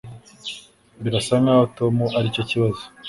Birasa nkaho Tom aricyo kibazo.